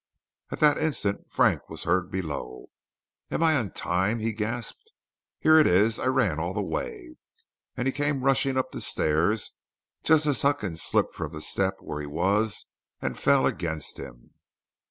At that instant Frank was heard below: "Am I in time?" he gasped. "Here it is; I ran all the way"; and he came rushing up the stairs just as Huckins slipped from the step where he was and fell against him.